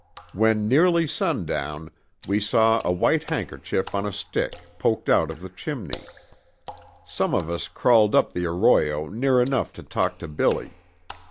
When nearly sundown, we saw a white handkerchief on a stick, poked out of the chimney. Some of us crawled up the arroyo near enough to talk to 'Billy.'